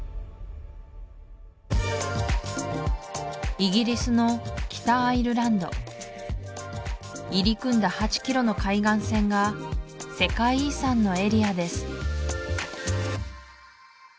イギリスの北アイルランド入り組んだ８キロの海岸線が世界遺産のエリアです